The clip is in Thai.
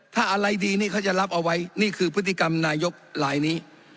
ถ้าอะไรดีนี่เขาจะรับเอาไว้นี่คือพฤติกรรมนายกลายนี้